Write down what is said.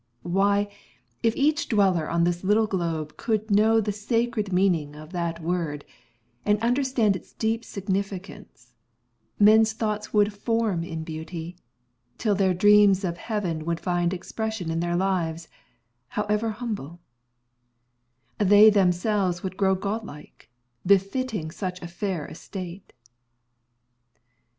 Why, if each dweller on this little globe Could know the sacred meaning of that word And understand its deep significance, Men's thoughts would form in beauty, till their dreams Of heaven would find expression in their lives, However humble; they themselves would grow Godlike, befitting such a fair estate.